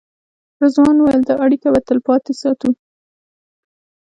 رضوان وویل دا اړیکه به تلپاتې ساتو.